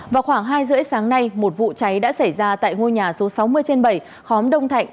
vào khoảng hai h ba mươi sáng nay một vụ cháy đã xảy ra tại ngôi nhà số sáu mươi trên bảy khóm đông thạnh